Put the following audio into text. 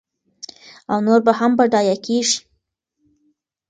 او نور به هم بډایه کېږي.